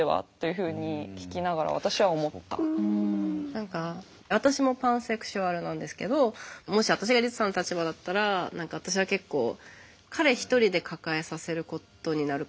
何か私もパンセクシュアルなんですけどもし私がリツさんの立場だったら何か私は結構彼一人で抱えさせることになるかもしれない。